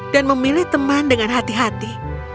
dan memilih teman dengan hati hati